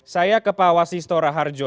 saya ke pak wasistora harjo